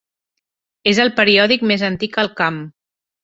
És el periòdic més antic al camp.